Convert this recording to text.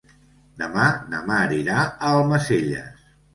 Demà na Mar irà a Almacelles.